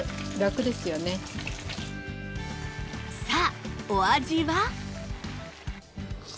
さあお味は？